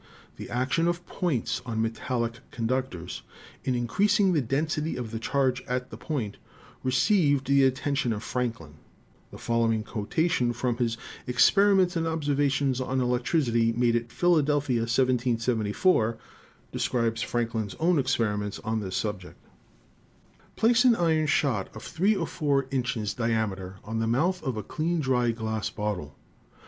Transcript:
The action of points on metallic conductors in increas ing the density of the charge at the point received the at tention of Franklin. The following quotation from his "Experiments and Observations on Electricity, made at Philadelphia, 1774," describes Franklin's own experiments on this subject: Fig. 5 — Coulomb's Method of Proving Electrostatic Laws. "Place an iron shot of three or four inches diameter on the mouth of a clean, dry glass bottle.